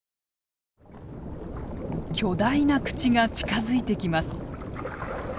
巨大な口が近づいてきます。